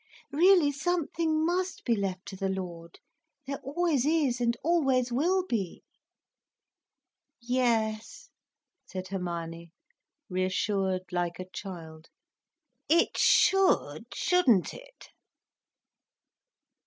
Really, something must be left to the Lord, there always is and always will be." "Yes," said Hermione, reassured like a child, "it should, shouldn't it?